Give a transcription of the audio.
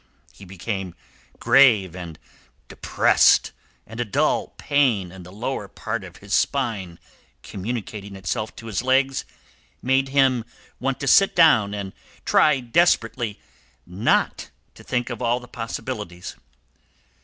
He became grave and depressed, and a dull pain in the lower part of his spine, communicating itself to his legs, made him want to sit down and try desperately not to think of all the possibilities.